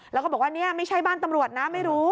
แล้วก็บอกว่านี่ไม่ใช่บ้านตำรวจนะไม่รู้